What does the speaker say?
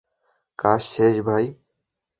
কাজ শেষ, ভাই?